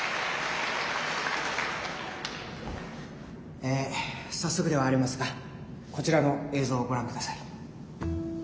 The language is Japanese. え早速ではありますがこちらの映像をご覧下さい。